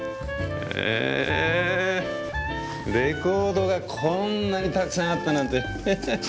えレコードがこんなにたくさんあったなんて。